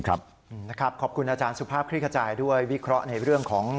ขอบคุณอาจารย์สุภาพคลิกขจายด้วยวิเคราะห์ในเรื่องของ